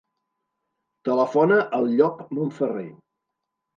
Telefona al Llop Monferrer.